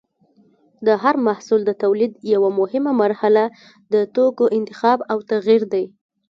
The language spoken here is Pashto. د هر محصول د تولید یوه مهمه مرحله د توکو انتخاب او تغیر دی.